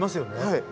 はい。